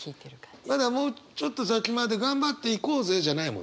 「まだもうちょっと先まで頑張っていこうぜ」じゃないもんね。